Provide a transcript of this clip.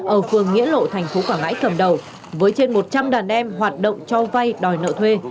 ở phường nghĩa lộ thành phố quảng ngãi cầm đầu với trên một trăm linh đàn em hoạt động cho vay đòi nợ thuê